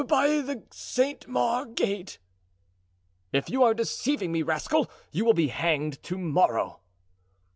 "By the Saint Maur gate." "If you are deceiving me, rascal, you will be hanged to morrow."